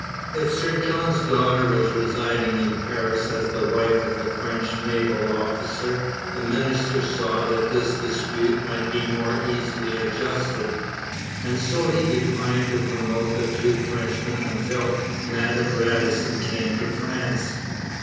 If Sir John's daughter was residing in Paris as the wife of a French naval officer, the minister saw that this dispute might be more easily adjusted; and so he declined to promote the two Frenchmen until Madame Radisson came to France.